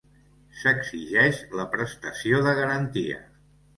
S'exigeix la prestació de garantia.